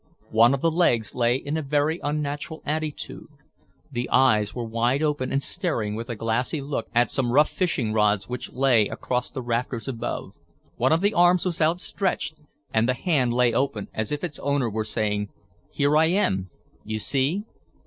One of the legs lay in a very unnatural attitude. The eyes were wide open and staring with a glassy look at some rough fishing rods which lay across the rafters above. One of the arms was outstretched and the hand lay open as if its owner were saying, "Here I am, you see."